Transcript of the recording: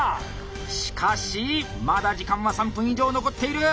しかしまだ時間は３分以上残っている！